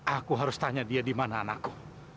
aku harus tanya dia dimana anakku